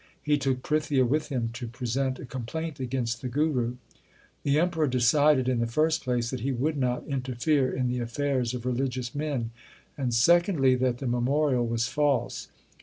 He took Prithia with him to present a complaint against the Guru. The Emperor decided in the first place that he 1 War XXXVI. LIFE OF GURU ARJAN 49 would not interfere in the affairs of religious men, and secondly that the memorial was false.